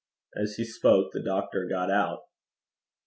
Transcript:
As he spoke the doctor got out.